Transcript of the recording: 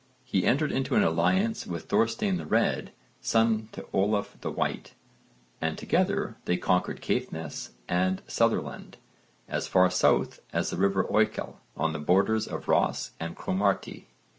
He entered into an alliance with Thorstein the Red, son to Olaf the White, and together they conquered Caithness and Sutherland, as far south as the river Oikel on the borders of Ross and Cromarty.